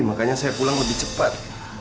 makanya saya pulang lebih cepat